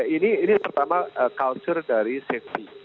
ini pertama culture dari safety